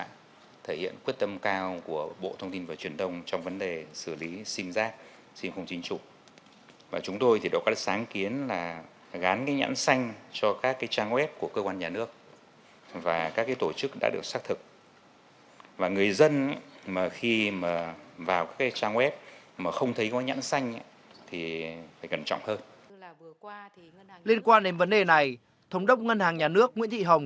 cử tri cũng mong muốn bộ thông tin và truyền thông có những giải pháp hữu hiệu hơn nữa trong việc giả soát xử lý những tài khoản ngân hàng không chính chủ vì đây đang là kẽ hở cho loại tội